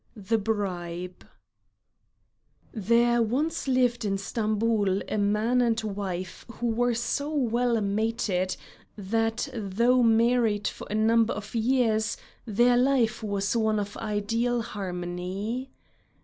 THE BRIBE There once lived in Stamboul a man and wife who were so well mated that though married for a number of years their life was one of ideal harmony.